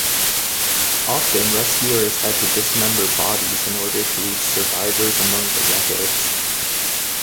Often, rescuers had to dismember bodies in order to reach survivors among the wreckage.